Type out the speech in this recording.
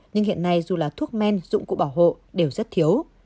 nhưng hiện nay dù là thuốc men dụng cụ bảo hộ đều rất thiếu